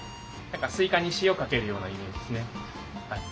スイカに塩かけるようなイメージですね。